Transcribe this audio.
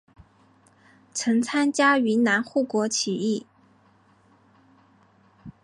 曾参加云南护国起义。